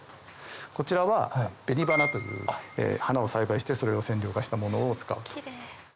こちらはベニバナという花を栽培してそれを染料化したものを使うと。